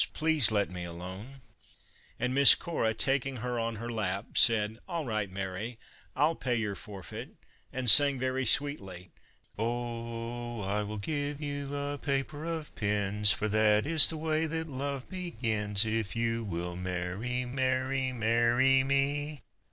Please let me alone," and Miss Cora, taking hereon her lap, said :" All right, Mary, 1 '11 pay your forfeit," and sang very sweetly: " Oh ! I will give you a paper of pins, For that is the way that love begins, If you will marry — marry, marry me